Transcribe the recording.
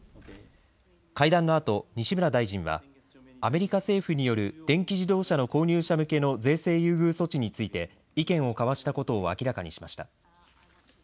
会談のあと西村大臣はアメリカ政府による電気自動車の購入者向けの税制優遇措置について意見を交わしたことを明らかにしました。